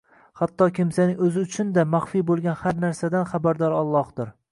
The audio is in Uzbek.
hatto kimsaning o'zi uchun-da maxfiy bo'lgan har narsadan xabardor Allohdir.